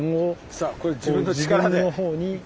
さあこれ自分の力で。